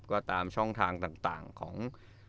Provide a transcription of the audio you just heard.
ก็ตามช่องทางต่างของ